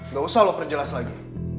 gak usah lo perjelas lagi